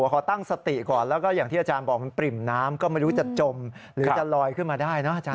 ขอตั้งสติก่อนแล้วก็อย่างที่อาจารย์บอกมันปริ่มน้ำก็ไม่รู้จะจมหรือจะลอยขึ้นมาได้นะอาจาร